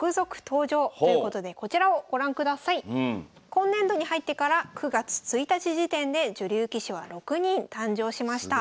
今年度に入ってから９月１日時点で女流棋士は６人誕生しました。